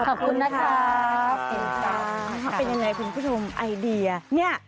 ขอบคุณนะครับเป็นยังไงคุณผู้ชมไอเดียเนี่ย